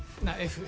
Ｆ